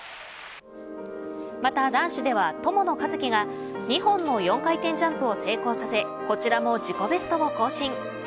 また男子では友野一希が２本の４回転ジャンプを成功させこちらも自己ベストを更新。